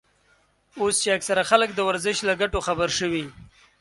اوس چې اکثره خلک د ورزش له ګټو خبر شوي.